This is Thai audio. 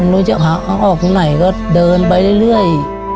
รู้จักหาเขาออกทุกไหนก็เดินไปเรื่อย